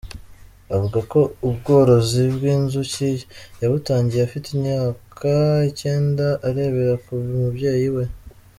Avuga ko ubworozi bw’inzuki yabutangiye afite inyaka icyenda arebera ku mubyeyi we.